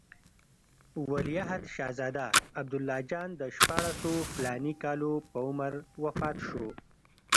ولیعهد شهزاده عبدالله جان د شپاړسو فلاني کالو په عمر وفات شو.